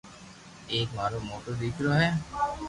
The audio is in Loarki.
ايڪ مارو موٽو ديڪرو ھي